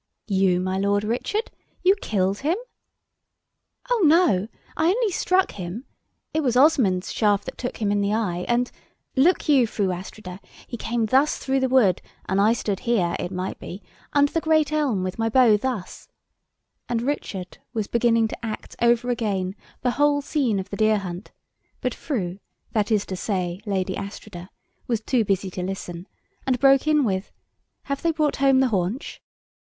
"You! my Lord Richard! you killed him?" "Oh, no, I only struck him. It was Osmond's shaft that took him in the eye, and Look you, Fru Astrida, he came thus through the wood, and I stood here, it might be, under the great elm with my bow thus" And Richard was beginning to act over again the whole scene of the deer hunt, but Fru, that is to say, Lady Astrida, was too busy to listen, and broke in with, "Have they brought home the haunch?"